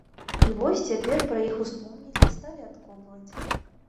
І вось цяпер пра іх успомнілі і сталі адкопваць.